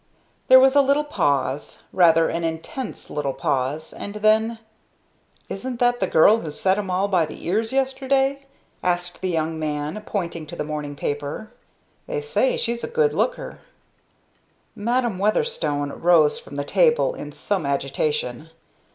There was a little pause rather an intense little pause; and then "Isn't that the girl who set 'em all by the ears yesterday?" asked the young man, pointing to the morning paper. "They say she's a good looker." Madam Weatherstone rose from the table in some agitation.